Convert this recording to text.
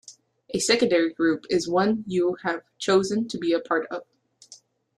A secondary group is one you have chosen to be a part of.